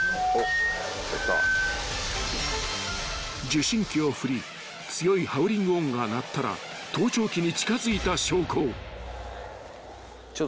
［受信機を振り強いハウリング音が鳴ったら盗聴器に近づいた証拠］